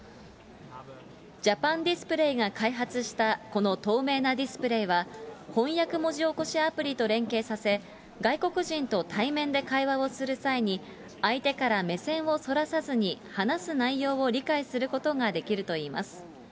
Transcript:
ジャパンディスプレイが開発したこの透明なディスプレーは、翻訳文字起こしアプリと連携させ、外国人と対面で会話をする際に、相手から目線をそらさずに、話す内容を理解することができるといいます。